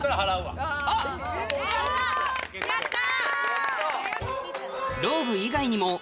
やった！